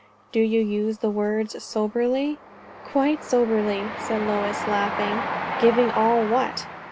Do you use the words soberly?" "Quite soberly," said Lois, laughing. "Giving all what?"